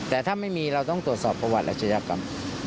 แต่ถ้าไม่มีเราต้องตรวจสอบประวัติอาชญากรรม